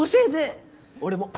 俺も！